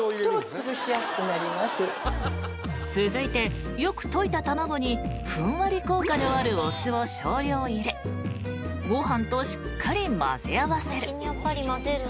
［続いてよく溶いた卵にふんわり効果のあるお酢を少量入れご飯としっかり混ぜ合わせる］